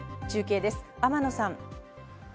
中継です、天野さん。